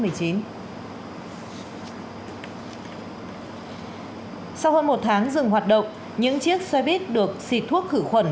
sau hơn một tháng dừng hoạt động những chiếc xoay viết được xịt thuốc khử khuẩn